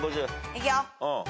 いくよ。